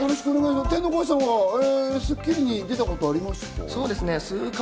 天の声さんは『スッキリ』に出たことありますか？